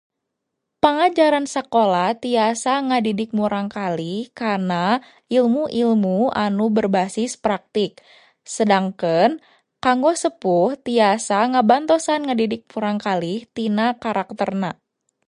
Pangajaran sakola tiasa ngadidik murangkalih kana ilmu-ilmu anu berbasis praktik. Sedengkeun, kanggo sepuh tiasa ngabantosan ngadidik murangkalih tina karakterna.